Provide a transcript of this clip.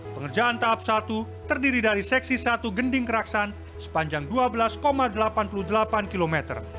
pengerjaan tahap satu terdiri dari seksi satu gending keraksan sepanjang dua belas delapan puluh delapan km